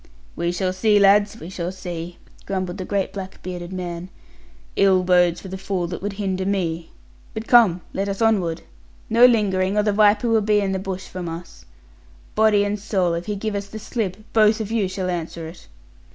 'We shall see, lads, we shall see,' grumbled the great black bearded man. 'Ill bodes for the fool that would hinder me. But come, let us onward. No lingering, or the viper will be in the bush from us. Body and soul, if he give us the slip, both of you shall answer it.'